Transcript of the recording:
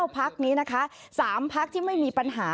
พักนี้นะคะ๓พักที่ไม่มีปัญหา